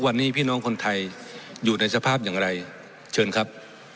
วันนี้พี่น้องคนไทยอยู่ในสภาพอย่างไรเชิญครับ